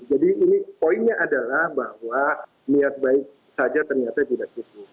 jadi ini poinnya adalah bahwa niat baik saja ternyata tidak cukup